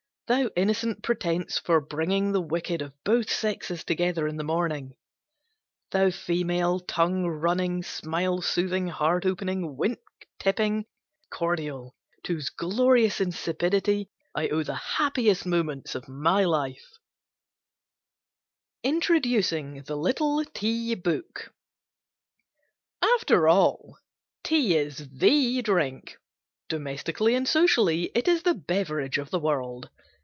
Thou innocent pretence for bringing the wicked of both sexes together in the morning! Thou female tongue running, smile soothing, heart opening, wink tipping cordial to whose glorious insipidity I owe the happiest moments of my life. COLLEY CIBBER. INTRODUCING THE LITTLE TEA BOOK After all, tea is the drink! Domestically and socially it is the beverage of the world.